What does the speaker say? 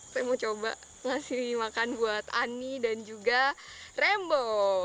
saya mau coba ngasih makan buat ani dan juga rembo